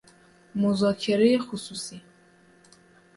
مذاکره خصوصی